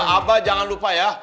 aba jangan lupa ya